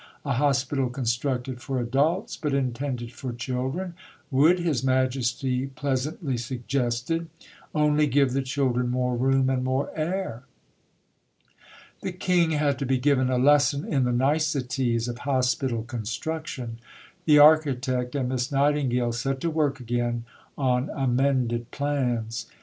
A hospital, constructed for adults, but intended for children, would, His Majesty pleasantly suggested, "only give the children more room and more air." The King had to be given a lesson in the niceties of hospital construction. The architect and Miss Nightingale set to work again on amended plans.